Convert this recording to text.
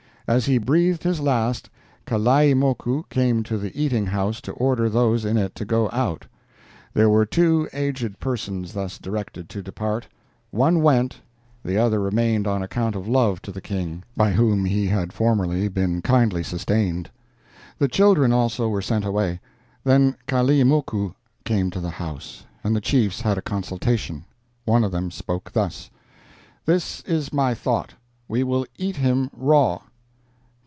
As he breathed his last, Kalaimoku came to the eating house to order those in it to go out. There were two aged persons thus directed to depart; one went, the other remained on account of love to the King, by whom he had formerly been kindly sustained. The children also were sent away. Then Kalaimoku came to the house, and the chiefs had a consultation. One of them spoke thus: 'This is my thought—we will eat him raw.'